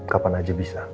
kapan aja bisa